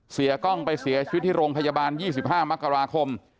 เสียกล้องไปเสียชีวิตที่โรงพยาบาล๒๕มค